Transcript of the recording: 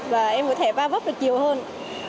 và em có thể ba vấp được nhiều hơn